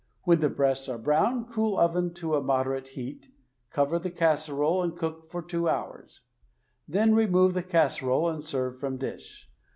When the breasts are brown, cool oven to a moderate heat, cover the casserole and cook for two hours. Then remove the casserole and serve from dish.